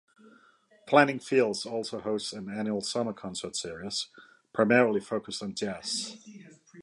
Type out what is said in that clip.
Planting Fields also hosts an annual summer concert series, primarily focused on jazz.